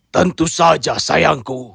tentu saja sayangku